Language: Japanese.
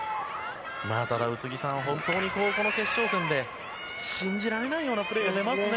宇津木さん、本当にこの決勝戦で信じられないようなプレーが出ますね。